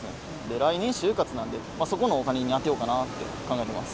来年、就活なんで、そこのお金に充てようかなって考えています。